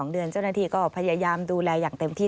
๒เดือนเจ้าหน้าที่ก็พยายามดูแลอย่างเต็มที่